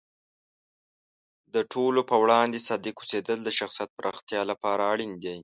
د ټولو په وړاندې صادق اوسیدل د شخصیت پراختیا لپاره اړین دی.